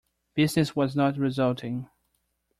Business was not resulting.